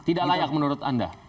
tidak layak menurut anda